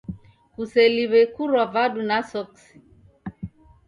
Kuseliw'e kurwa vadu na soksi.